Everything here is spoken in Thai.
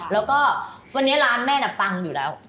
แล้วก็วันนี้ร้านแม่น่ะปังอยู่แล้ว